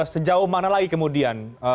sejauh mana lagi kemudian